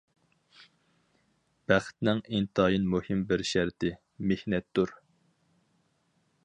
بەختنىڭ ئىنتايىن مۇھىم بىر شەرتى، مېھنەتتۇر.